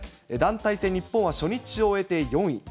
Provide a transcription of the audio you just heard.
団体戦、日本は初日を終えて４位。